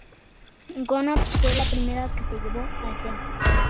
Godot fue la primera que se llevó a escena.